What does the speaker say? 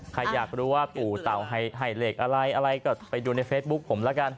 ใครอยากรู้ว่าปู่เต่าให้เลขอะไรอะไรก็ไปดูในเฟซบุ๊คผมแล้วกัน